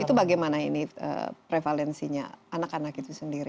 itu bagaimana ini prevalensinya anak anak itu sendiri